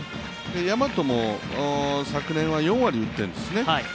大和も昨年は４割打ってるんですね